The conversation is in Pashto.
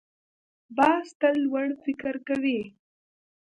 باز تل لوړ فکر کوي